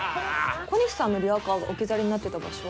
小西さんのリアカーが置き去りになってた場所。